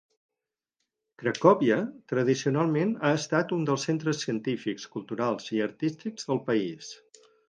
Cracòvia tradicionalment ha estat un dels centres científics, culturals i artístics del país.